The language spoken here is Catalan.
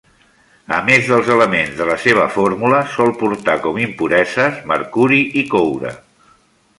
A més dels elements de la seva fórmula, sol portar com impureses: mercuri i coure.